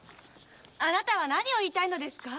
あなたは何を言いたいのですか？